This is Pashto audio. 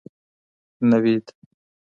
نوید